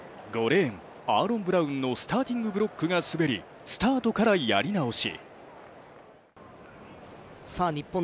５レーン、アーロン・ブラウンのスターティングブロックが滑りスタートからやり直し。